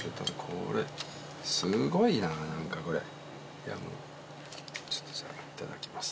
これすごいな何かこれちょっとじゃあいただきます